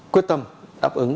quyết tâm đáp ứng